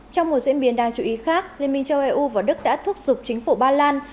trong một diễn biến đáng chú ý khác liên minh châu eu và đức đã thúc giục chính phủ ba lan